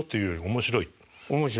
面白い。